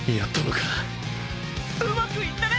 うまくいったね！